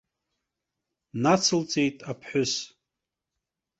Нацылҵеит аԥҳәыс.